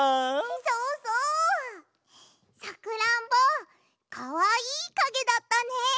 そうそう！さくらんぼかわいいかげだったね。